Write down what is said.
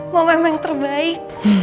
ma memang terbaik